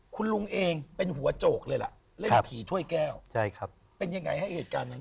คุณลุงเองเป็นหัวโจกเลยล่ะเล่นผีถ้วยแก้วใช่ครับเป็นยังไงฮะเหตุการณ์นั้น